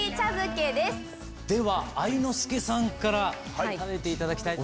では愛之助さんから食べていただきたい。